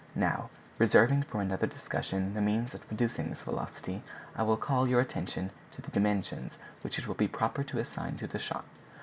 Now, reserving for another discussion the means of producing this velocity, I will call your attention to the dimensions which it will be proper to assign to the shot.